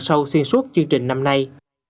sâu xuyên suốt chương trình năm nay